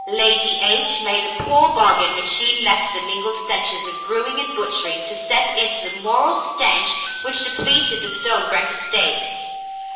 Lady H made a poor bargain when she left the mingled stenches of brew ing and butchering to step into the moral stench which depleted the Stonebreck estates."